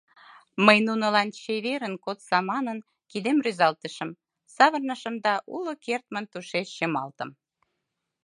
Мый нунылан, чеверын кодса манын, кидем рӱзалтышым, савырнышым да уло кертмын тышеч чымалтым.